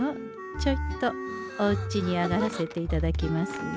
ちょいとおうちに上がらせていただきますよ。